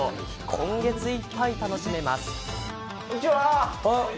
今月いっぱい、楽しめます。